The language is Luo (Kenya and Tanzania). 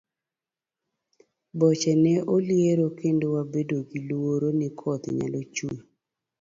Boche ne oliero kendo wabedo gi luoro ni koth nyalo chue.